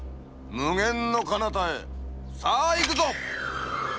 無限のかなたへさあ行くぞ！